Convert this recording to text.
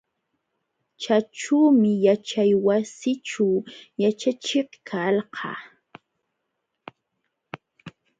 Chaćhuumi yaćhaywasićhu yaćhachiq kalqa.